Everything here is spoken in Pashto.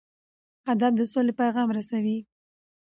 ادب د سولې پیغام رسوي.